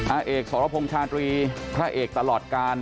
อาเอกสรพงษ์ชาตรีพระเอกตลอดการ